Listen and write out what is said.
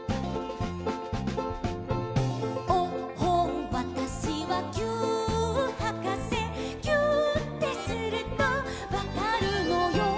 「おっほんわたしはぎゅーっはかせ」「ぎゅーってするとわかるのよ」